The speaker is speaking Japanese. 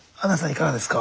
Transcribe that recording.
いかがですか。